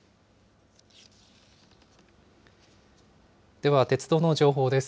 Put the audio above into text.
では鉄道の情報です。